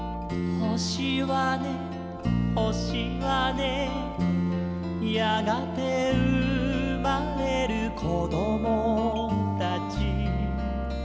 「ほしはねほしはね」「やがてうまれるこどもたち」